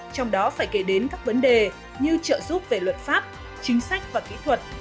trong đó phải kể đến các vấn đề như trợ giúp về luật pháp chính sách và kỹ thuật